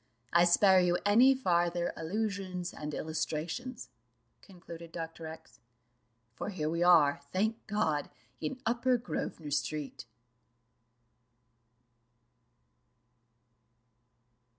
I spare you any farther allusion and illustrations," concluded Dr. X , "for here we are, thank God, in Upper Grosvenor street."